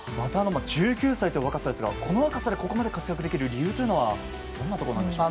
１９歳という若さですがこの若さで活躍できる理由というのはどんなところでしょうか。